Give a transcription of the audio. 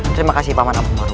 terima kasih paman amu maru